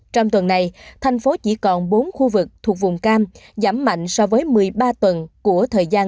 trong tuần này thành phố chỉ còn bốn khu vực thuộc vùng cam giảm mạnh so với một mươi ba tuần của thời gian